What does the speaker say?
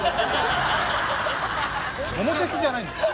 桃鉄じゃないんですよ